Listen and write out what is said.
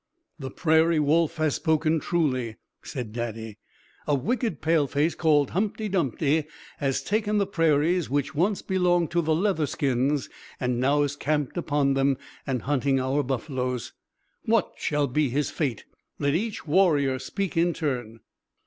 "The Prairie Wolf has spoken truly," said Daddy. "A wicked Paleface called Humpty Dumpty has taken the prairies which once belonged to the Leatherskins and is now camped upon them and hunting our buffaloes. What shall be his fate? Let each warrior speak in turn."